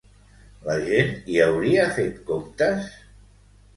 La gent hi hauria fet comptes?